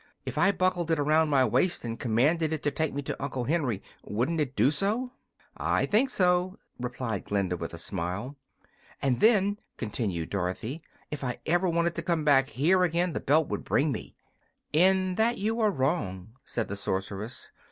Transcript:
"If I buckled it around my waist and commanded it to take me to Uncle Henry, wouldn't it do it?" "I think so," replied Glinda, with a smile. "And then," continued Dorothy, "if I ever wanted to come back here again, the belt would bring me." "In that you are wrong," said the sorceress.